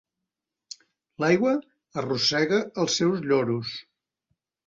L'aigua arrossega els seus lloros.